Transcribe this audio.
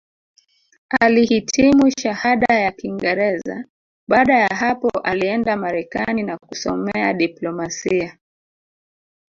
Alihitimu Shahada ya Kingereza Baada ya hapo alienda Marekani na kusomea diplomasia